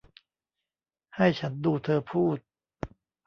ให้ฉันดูเธอพูด